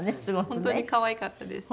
本当に可愛かったです。